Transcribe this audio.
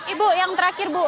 ibu yang terakhir bu